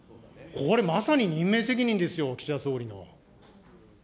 これ、まさに任命責任ですよ、岸田総理の。